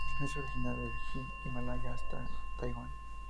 Es originario del Himalaya hasta Taiwan.